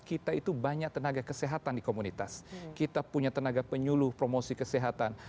kita itu banyak tenaga kesehatan di komunitas kita punya tenaga penyuluh promosi kesehatan